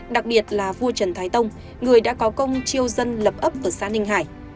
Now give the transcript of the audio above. đặc biệt là vua trần thái tông người đã có công chiêu dân lập ấp ở xã ninh hải